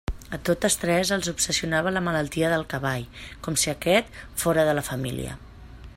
A totes tres els obsessionava la malaltia del cavall, com si aquest fóra de la família.